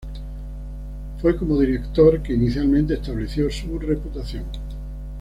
Fue como director que inicialmente estableció su reputación.